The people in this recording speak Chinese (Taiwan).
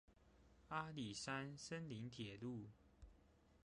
阿里山森林鐵路